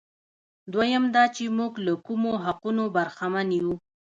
دویم دا چې موږ له کومو حقوقو برخمن یو.